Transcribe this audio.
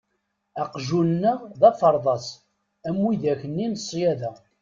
Aqjun-nneɣ d aferḍas am widak-nni n ṣyada.